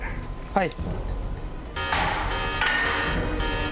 はい！